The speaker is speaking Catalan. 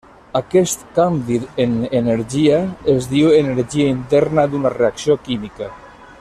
Aquest canvi en energia es diu energia interna d'una reacció química.